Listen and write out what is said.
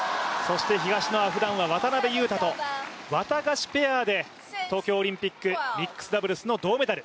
東野はふだんは渡辺勇大とワタガシペアで東京オリンピックミックスダブルスの銅メダル。